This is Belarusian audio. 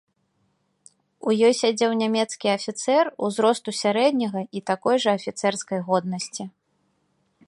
У ёй сядзеў нямецкі афіцэр, узросту сярэдняга і такой жа афіцэрскай годнасці.